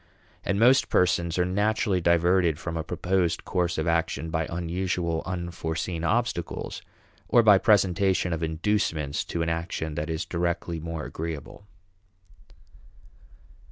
And most persons are naturally diverted from a proposed course of action by unusual, unforeseen obstacles, or by presentation of inducements to an action that is directly more agreeable.